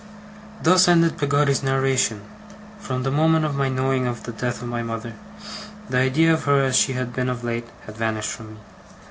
Thus ended Peggotty's narration. From the moment of my knowing of the death of my mother, the idea of her as she had been of late had vanished from me.